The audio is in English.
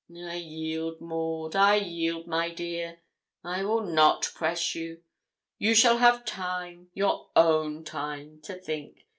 'I yield, Maud I yield, my dear. I will not press you; you shall have time, your own time, to think.